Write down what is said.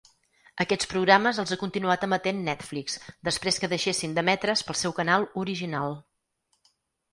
Aquests programes els ha continuat emetent Netflix després que deixessin d'emetre's pel seu canal original.